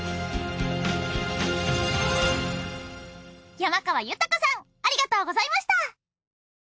山川豊さんありがとうございました。